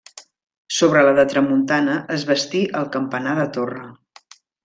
Sobre la de tramuntana es bastí el campanar de torre.